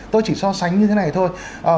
tôi chỉ so sánh như thế này thôi